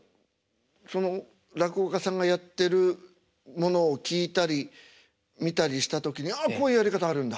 その落語家さんがやってるものを聴いたり見たりした時に「ああこういうやり方あるんだ」